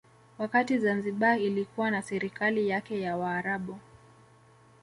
Wakati Zanzibar ilikuwa na serikali yake ya Waarabu